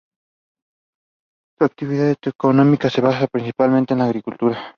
Su actividad económica se basa principalmente en la agricultura.